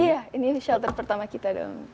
iya ini shelter pertama kita dong